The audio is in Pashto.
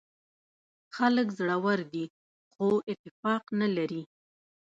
خلک زړور دي خو اتفاق نه لري.